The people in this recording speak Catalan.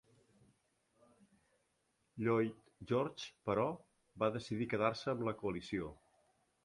Lloyd George, però, va decidir quedar-se amb la Coalició.